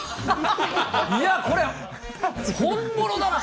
いや、これ、本物だな。